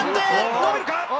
伸びるか？